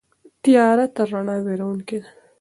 تیاره تر رڼا وېروونکې ده.